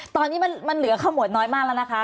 ตอนนี้มันเหลือขมวดน้อยมากแล้วนะคะ